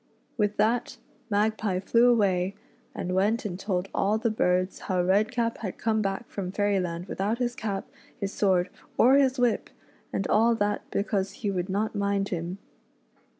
With that Magpie flevv'.a'svay,:^i3(j*\\'eflt'«a*n*e? "t^^ all the birds how Redcap had come back from Fairy land without his cap, his sword, or his whip, and all that because he would not mind him.